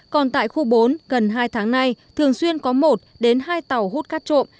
còn tại khu bốn gần hai tháng nay thường xuyên có một đến hai tàu hút cát trộm